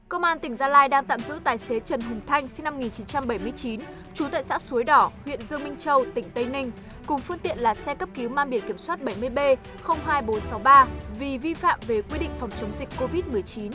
công an tỉnh gia lai đang tạm giữ tài xế trần hùng thanh sinh năm một nghìn chín trăm bảy mươi chín trú tại xã suối đỏ huyện dương minh châu tỉnh tây ninh cùng phương tiện là xe cấp cứu mang biển kiểm soát bảy mươi b hai nghìn bốn trăm sáu mươi ba vì vi phạm về quy định phòng chống dịch covid một mươi chín